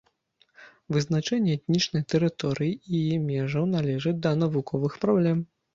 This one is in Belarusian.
Вызначэнне этнічнай тэрыторыі і яе межаў належыць да навуковых праблем.